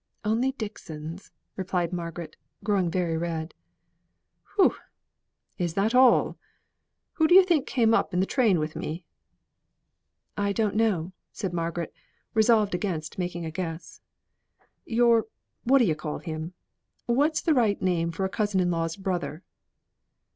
"Only Dixon's," replied Margaret, growing very red. "Whew! is that all? Who do you think came up in the train with me?" "I don't know," said Margaret, resolved against making a guess. "Your what d'ye call him? What's the right name for a cousin in law's brother?"